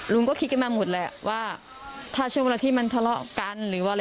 ก็คิดกันมาหมดแหละว่าถ้าช่วงเวลาที่มันทะเลาะกันหรือว่าอะไร